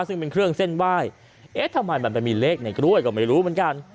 ซึ่งเป็นเครื่องเส้นไหว้เอ๊ะทำไมมันไปมีเลขในกล้วยก็ไม่รู้เหมือนกัน